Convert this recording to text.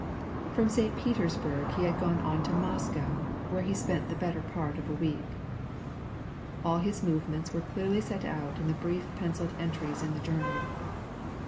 From St. Petersburg he had gone on to Moscow, where he had spent the better part of a week. All his movements were clearly set out in the brief pencilled entries in the journal.